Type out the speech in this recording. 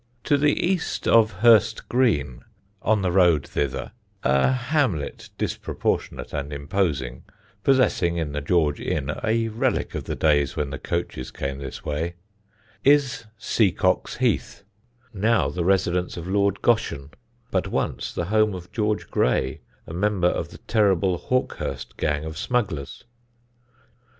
To the east of Hurst Green on the road thither (a hamlet disproportionate and imposing, possessing, in the George Inn, a relic of the days when the coaches came this way), is Seacox Heath, now the residence of Lord Goschen, but once the home of George Gray, a member of the terrible Hawkhurst gang of smugglers.